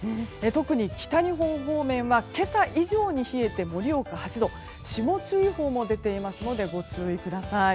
特に北日本方面は今朝以上に冷えて盛岡、８度霜注意報も出ていますのでご注意ください。